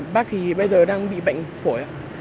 bác thì bây giờ đang bị bệnh phổi